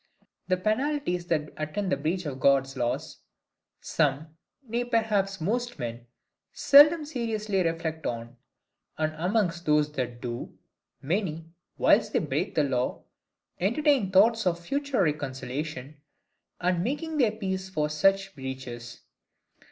The penalties that attend the breach of God's laws some, nay perhaps most men, seldom seriously reflect on: and amongst those that do, many, whilst they break the law, entertain thoughts of future reconciliation, and making their peace for such breaches.